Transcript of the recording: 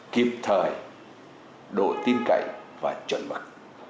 kiếp thời độ tin cạnh và chuẩn mặt